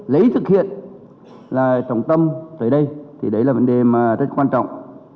lấy thực hiện là trọng tâm tới đây thì đấy là vấn đề mà rất quan trọng